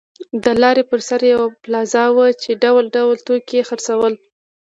د لارې پر سر یوه پلازه وه چې ډول ډول توکي یې خرڅول.